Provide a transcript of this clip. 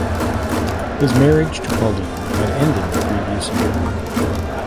His marriage to Pauline had ended the previous year.